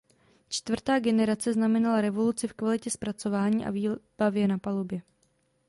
Čtvrtá generace znamenala revoluci v kvalitě zpracování a výbavě na palubě.